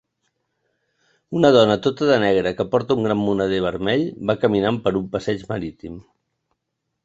Una dona tota de negre que porta un gran moneder vermell va caminant per un passeig marítim.